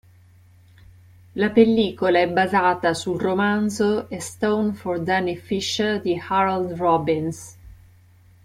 La pellicola è basata sul romanzo "A Stone for Danny Fisher" di Harold Robbins.